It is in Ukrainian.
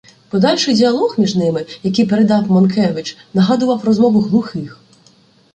Подальший діалог між ними, який передав Монкевич, нагадував розмову глухих.